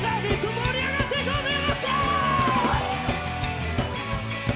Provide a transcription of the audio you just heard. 盛り上がっていこうぜよろしく！